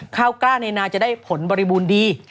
ข้าวกล้าในนาจะได้ผลบริบูรณ์ดี